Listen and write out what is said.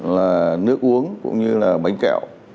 là nước uống cũng như là bánh kẹo